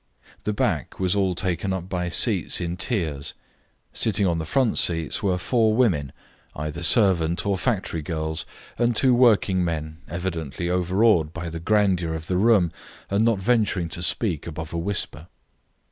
The back was all taken up by seats in tiers. Sitting on the front seats were four women, either servant or factory girls, and two working men, evidently overawed by the grandeur of the room, and not venturing to speak above a whisper.